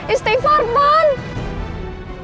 istighfar pan ya kan